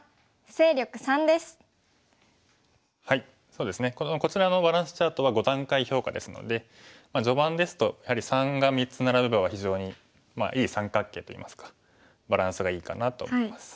そうですねこちらのバランスチャートは５段階評価ですので序盤ですとやはり３が３つ並べば非常にいい三角形といいますかバランスがいいかなと思います。